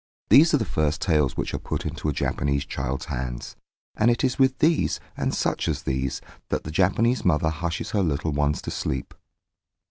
These are the first tales which are put into a Japanese child's hands; and it is with these, and such as these, that the Japanese mother hushes her little ones to sleep.